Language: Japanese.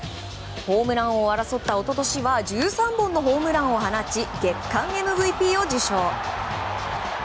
ホームラン王を争った一昨年は１３本のホームランを放ち月間ＭＶＰを受賞。